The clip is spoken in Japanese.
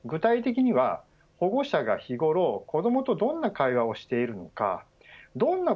具体的には、保護者が日頃子どもとどんな会話をしているのか。